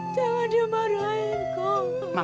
jangan dia marahin kong